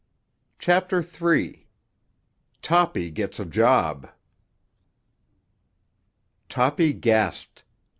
CHAPTER III—TOPPY GETS A JOB Toppy gasped.